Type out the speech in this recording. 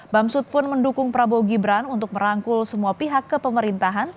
bamsud pun mendukung prabowo gibran untuk merangkul semua pihak ke pemerintahan